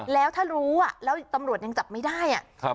แล้วถ้ารู้แล้วตำรวจยังจับไม่ได้